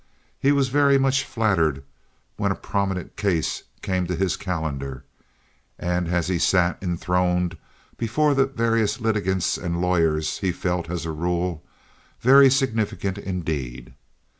He was very much flattered when a prominent case came to his calendar; and as he sat enthroned before the various litigants and lawyers he felt, as a rule, very significant indeed.